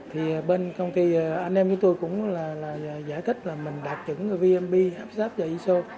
thì bên công ty anh em chúng tôi cũng là giải thích là mình đạt chứng vmp hapsap và iso